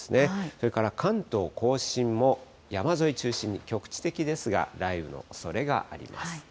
それから関東甲信も、山沿いを中心に局地的ですが、雷雨のおそれがあります。